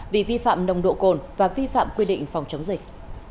vì vi phạm nồng độ cồn và vi phạm quy định phòng chống dịch